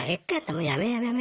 もうやめやめやめ。